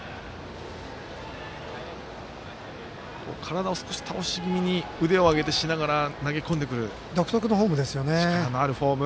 体を少し倒し気味に腕を上げながら投げ込んでくる力のあるフォーム。